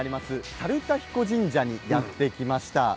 猿田彦神社にやって来ました。